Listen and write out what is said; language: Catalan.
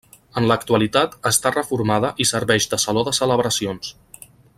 En l'actualitat està reformada i serveix de saló de celebracions.